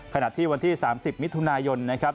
ขณะที่วันที่๓๐มิถุนายนนะครับ